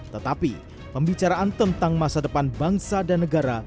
tetapi pembicaraan tentang masa depan bangsa dan negara